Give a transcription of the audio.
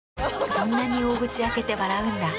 そんなに大口開けて笑うんだ。